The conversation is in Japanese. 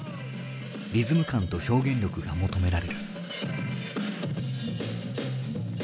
リズム感と表現力が求められる。